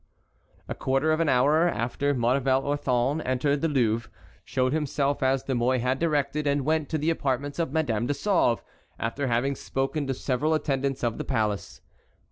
A quarter of an hour after Maurevel Orthon entered the Louvre, showed himself as De Mouy had directed, and went to the apartments of Madame de Sauve, after having spoken to several attendants of the palace.